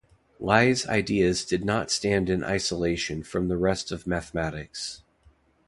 Lie's ideas did not stand in isolation from the rest of mathematics.